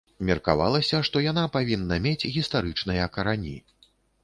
Меркавалася, што яна павінна мець гістарычныя карані.